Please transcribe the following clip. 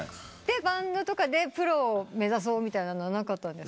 でバンドとかでプロを目指そうみたいなのなかった？